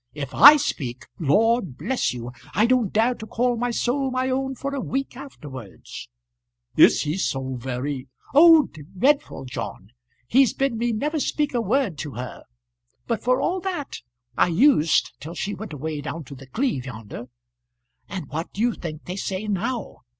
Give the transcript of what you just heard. If I speak, Lord bless you, I don't dare to call my soul my own for a week afterwards." "Is he so very " "Oh, dreadful, John. He's bid me never speak a word to her. But for all that I used till she went away down to The Cleeve yonder. And what do you think they say now?